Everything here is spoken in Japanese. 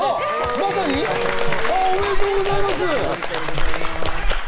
まさにおめでとうございます。